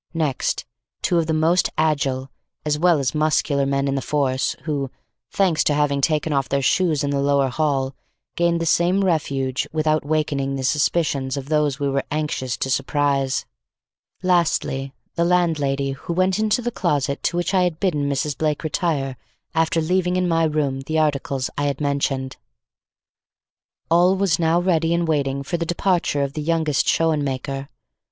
Next, two of the most agile, as well as muscular men in the force who, thanks to having taken off their shoes in the lower hall, gained the same refuge without awakening the suspicions of those we were anxious to surprise. Lastly, the landlady who went into the closet to which I had bidden Mrs. Blake retire after leaving in my room the articles I had mentioned. All was now ready and waiting for the departure of the youngest Schoenmaker.